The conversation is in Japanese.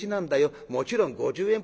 もちろん五十円